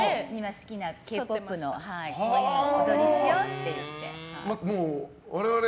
好きなＫ‐ＰＯＰの踊りしようって言って。